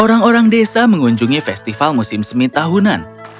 orang orang desa mengunjungi festival musim semitahunan